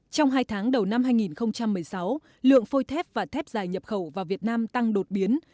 trong hai tháng đầu năm hai nghìn một mươi sáu lượng phôi thép và thép dài nhập khẩu vào việt nam tăng đột biến